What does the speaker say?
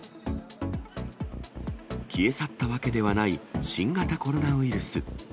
消え去ったわけではない新型コロナウイルス。